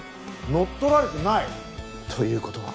乗っ取られてない？という事は。